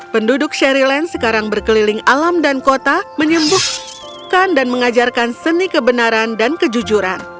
penduduk sherry land sekarang berkeliling alam dan kota menyembuhkan dan mengajarkan seni kebenaran dan kejujuran